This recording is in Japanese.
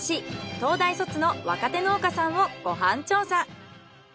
東大卒の若手農家さんをご飯調査。